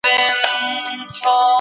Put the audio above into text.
د تېر او راتلونکي پرتله ايز جاج واخلئ.